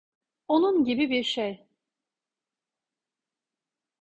Onun gibi bir şey.